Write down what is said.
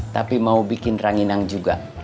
tapi mau bikin ranginang juga